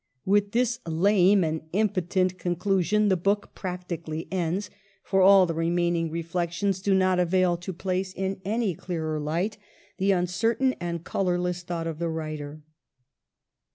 With this lame and impotent conclusion the book practically ends, for all the remaining reflections do not avail to place in any clearer light the uncertain and colorless thought of the writer.